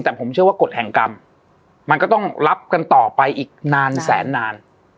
แต่ผมเชื่อว่ากฎแห่งกรรมมันก็ต้องรับกันต่อไปอีกนานแสนนาน